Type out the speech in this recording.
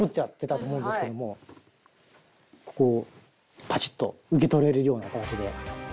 ここをパチッと受け取れるような形で。